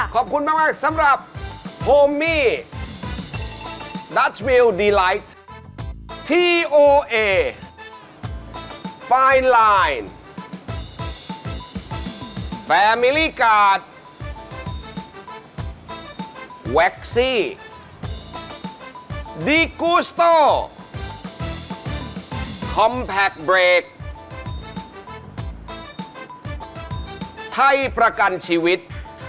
ขอบคุณมากสำหรับโฮมี่ดัชวิลดีไลท์ทีโอเอไฟน์ไลน์แฟมิลี่การ์ดแว็กซี่ดีกูสโตคอมแพคเบรคไทยประกันชีวิต